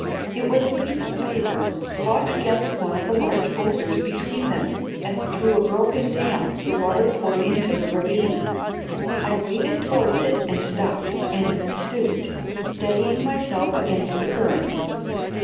It was a piece of paper caught against one of the large boulders between which, as through a broken dam, the water poured into the ravine. I waded towards it and stooped, steadying myself against the current.